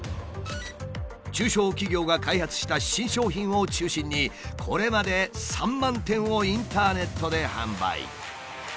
中小企業が開発した新商品を中心にこれまで３万点をインターネットで販売。